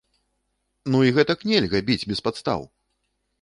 Ну, і гэтак нельга, біць без падстаў!